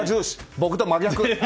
僕と真逆。